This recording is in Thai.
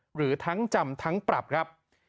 หรือทั้งจำทั้งปรับครับ